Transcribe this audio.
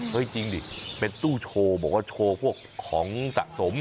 จริงดิเป็นตู้โชว์บอกว่าโชว์พวกของสะสม